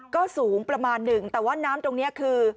ก็สูงประมาณหนึ่งแต่ว่าน้ำตรงนี้คือ